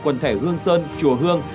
quần thể hương sơn chùa hương